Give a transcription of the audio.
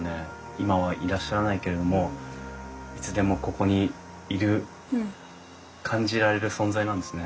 今はいらっしゃらないけれどもいつでもここにいる感じられる存在なんですね。